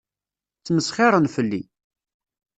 Ttmesxiṛen fell-i.